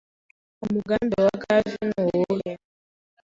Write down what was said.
Umugambi wa Gavi ni uwuhe